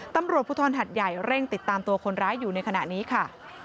ตำรวจภูทรหัดใหญ่เร่งติดตามตัวคนร้ายอยู่ในขณะนี้ค่ะ